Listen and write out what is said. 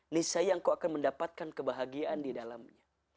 nisai yang kau akan mendapatkan kebahagiaan di dalamnya